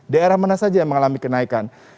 daerah mana saja yang mengalami kenaikan